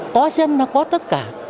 có dân là có tất cả